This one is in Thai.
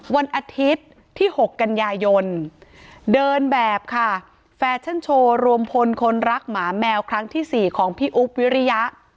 วันอาทิตย์ที่๖กันยายนเดินแบบค่ะแฟชั่นโชว์รวมพลคนรักหมาแมวครั้งที่๔ของพี่อุ๊บวิริยะ